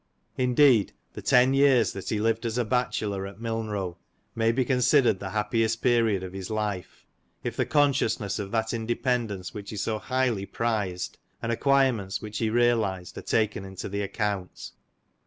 Indeed the ten years that he lived as a batchelor at Milnrow, may be considered the happiest period of his life, if the consciousness of that independence which he so highly prized, and acquirements which he realized are taken into the account.